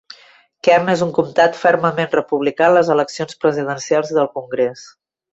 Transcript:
Kern és un comtat fermament republicà en les eleccions presidencials i del congrés.